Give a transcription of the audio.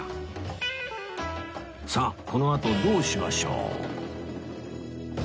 さあこのあとどうしましょう？